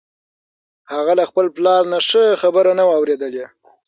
هغه له خپل پلار نه ښه خبره نه وه اورېدلې.